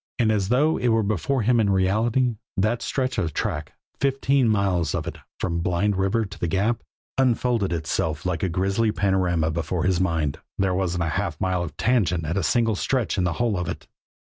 And as though it were before him in reality, that stretch of track, fifteen miles of it, from Blind River to the Gap, unfolded itself like a grisly panorama before his mind. There wasn't a half mile of tangent at a single stretch in the whole of it.